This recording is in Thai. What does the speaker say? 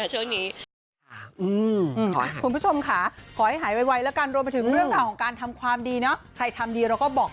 ช่วงนี้